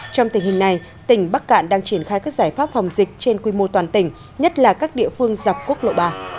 trong tình hình này tỉnh bắc cạn đang triển khai các giải pháp phòng dịch trên quy mô toàn tỉnh nhất là các địa phương dọc quốc lộ ba